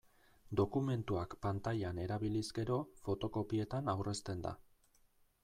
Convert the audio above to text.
Dokumentuak pantailan erabiliz gero, fotokopietan aurrezten da.